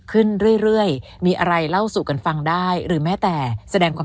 ขึ้นเรื่อยมีอะไรเล่าสู่กันฟังได้หรือแม้แต่แสดงความ